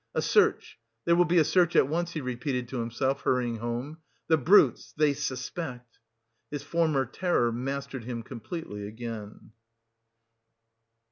"A search there will be a search at once," he repeated to himself, hurrying home. "The brutes! they suspect." His former terror mastered him completely again.